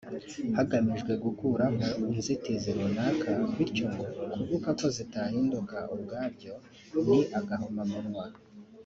hagamijwe gukuraho inzitizi runaka bityo ngo kuvuga ko zitahinduka ubwabyo ni agahomamunwa